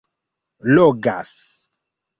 logas